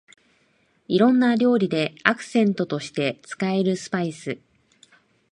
いろんな料理でアクセントとして使えるスパイス